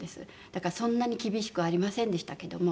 だからそんなに厳しくありませんでしたけども。